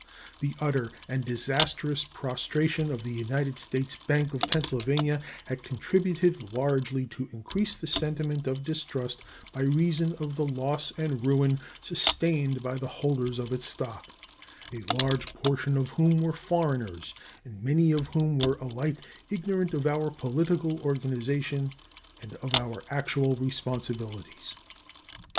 The utter and disastrous prostration of the United States Bank of Pennsylvania had contributed largely to increase the sentiment of distrust by reason of the loss and ruin sustained by the holders of its stock, a large portion of whom were foreigners and many of whom were alike ignorant of our political organization and of our actual responsibilities.